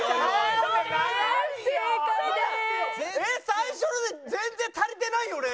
最初の全然足りてないよね！？